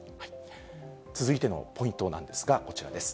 続いてのポイントなんですが、こちらです。